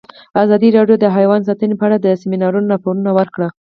ازادي راډیو د حیوان ساتنه په اړه د سیمینارونو راپورونه ورکړي.